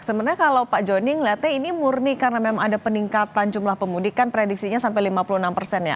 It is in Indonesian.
sebenarnya kalau pak joni melihatnya ini murni karena memang ada peningkatan jumlah pemudik kan prediksinya sampai lima puluh enam persen ya